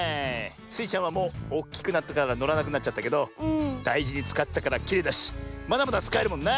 スイちゃんはもうおっきくなったからのらなくなっちゃったけどだいじにつかってたからきれいだしまだまだつかえるもんな。